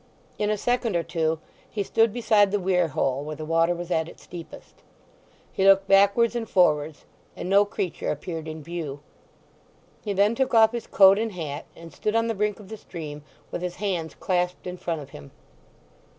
In a second or two he stood beside the weir hole where the water was at its deepest. He looked backwards and forwards, and no creature appeared in view. He then took off his coat and hat, and stood on the brink of the stream with his hands clasped in front of him.